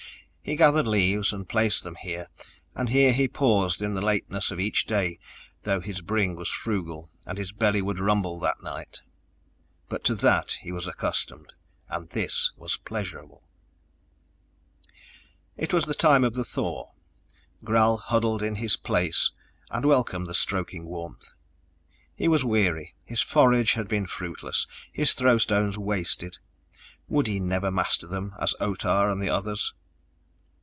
He gathered leaves and placed them here, and here he paused in the lateness of each day though his bring was frugal and his belly would rumble that night. But to that he was accustomed, and this was pleasurable. It was the time of the thaw. Gral huddled in his Place and welcomed the stroking warmth. He was weary, his forage had been fruitless, his throw stones wasted ... would he never master them as Otah and the others?